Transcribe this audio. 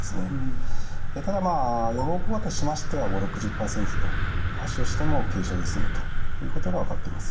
ただ予防効果としましては５０６０％と発症しても軽症で済むということが分かっています。